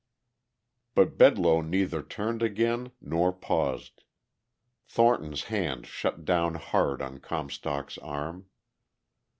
But Bedloe neither turned again nor paused. Thornton's hand shut down hard on Comstock's arm.